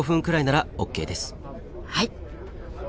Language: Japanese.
はい。